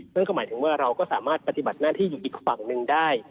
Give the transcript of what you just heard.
ซึ่งก็หมายถึงว่าเราก็สามารถปฏิบัติหน้าที่อยู่อีกฝั่งหนึ่งได้